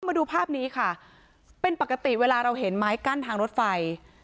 มาดูภาพนี้ค่ะเป็นปกติเวลาเราเห็นไม้กั้นทางรถไฟ